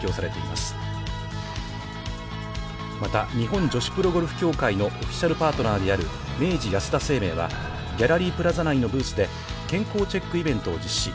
また、日本女子プロゴルフ協会のオフィシャルパートナーである明治安田生命は、ギャラリープラザ内のブースで健康チェックイベントを実施。